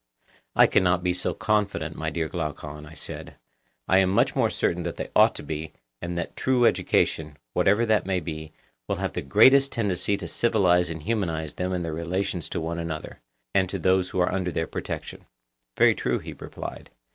I cannot be so confident, my dear Glaucon, I said; I am much more certain that they ought to be, and that true education, whatever that may be, will have the greatest tendency to civilize and humanize them in their relations to one another, and to those who are under their protection. Very true, he replied.